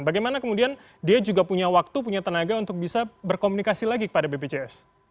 bagaimana kemudian dia juga punya waktu punya tenaga untuk bisa berkomunikasi lagi kepada bpjs